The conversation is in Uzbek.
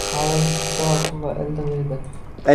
Havo juda ochiq va iliq edi…